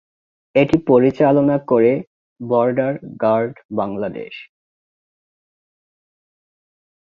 এটি পরিচালনা করে বর্ডার গার্ড বাংলাদেশ।